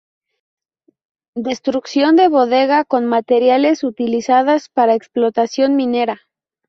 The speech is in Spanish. Destrucción de Bodega con Materiales utilizadas para explotación minera.